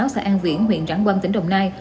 xã an viễn huyện rãng quân tỉnh đồng nai